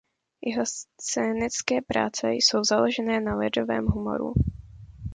Jeho scénické práce jsou založené na lidovém humoru.